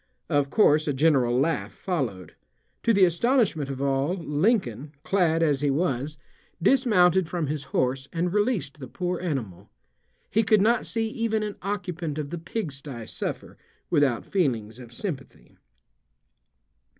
Of course a general laugh followed. To the astonishment of all Lincoln, clad as he was, dismounted from his horse and released the poor animal. He could not see even an occupant of the pigsty suffer without feelings of sympathy.